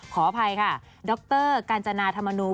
ขออภัยค่ะดรกาญจนาธรรมนู